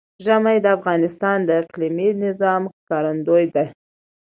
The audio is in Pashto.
ژمی د افغانستان د اقلیمي نظام ښکارندوی ده.